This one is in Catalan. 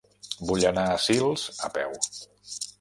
Vull anar a Sils a peu.